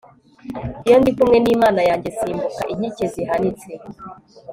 iyo ndi kumwe n'imana yanjye, nsimbuka inkike zihanitse